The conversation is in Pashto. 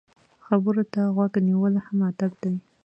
خبرو ته غوږ نیول هم ادب دی.